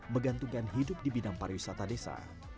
menggantungkan hidup di bidang pariwisata desa